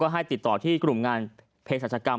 ให้ติดต่อที่กลุ่มงานเพศรัชกรรม